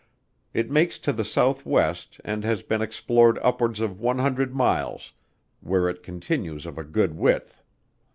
It makes to the southwest and has been explored upwards of one hundred miles, where it continues of a good width.